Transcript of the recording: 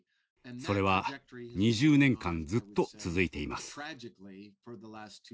それは２０年間ずっと続いています。